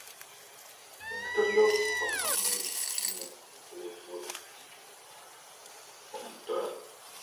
Ametolea ufafanuzi juu ya uwepo wa pori kubwa ambalo limelalamikiwa na wakazi wa mtaa